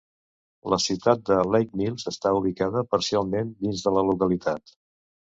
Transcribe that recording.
La ciutat de Lake Mills està ubicada parcialment dins de la localitat.